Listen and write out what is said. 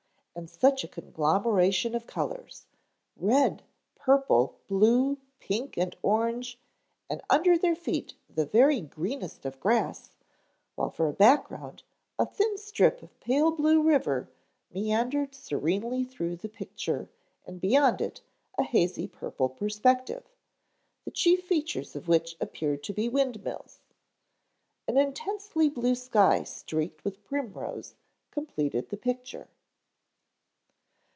And such a conglomeration of colors, red, purple, blue, pink and orange, and under their feet the very greenest of grass, while for a background a thin strip of pale blue river meandered serenely through the picture and beyond it a hazy purple perspective, the chief features of which appeared to be wind mills. An intensely blue sky streaked with primrose completed the picture.